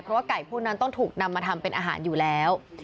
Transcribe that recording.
เพราะว่าไก่พวกนั้นต้องถูกนำมาทำเป็นอาหารอยู่แล้ว